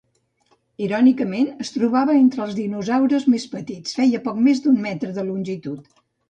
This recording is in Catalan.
Irònicament, es trobava entre els dinosaures més petits, feia poc més d'un metre de longitud.